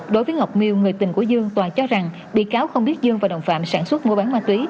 đối với ngọc miêu người tình của dương tòa cho rằng bị cáo không biết dương và đồng phạm sản xuất mua bán ma túy